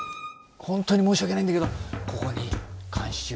本当に申し訳ないんだけどここに監視用。